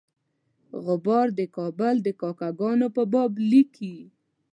غبار د کابل د کاکه ګانو په باب لیکي.